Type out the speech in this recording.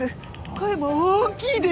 声も大きいです！